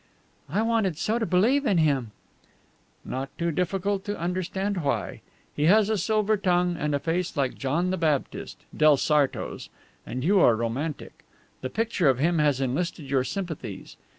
"I wanted so to believe in him!" "Not difficult to understand why. He has a silver tongue and a face like John the Baptist del Sarto's and you are romantic. The picture of him has enlisted your sympathies.